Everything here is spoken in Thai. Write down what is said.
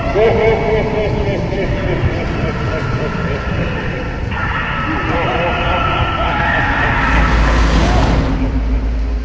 เป็นอะไรนี่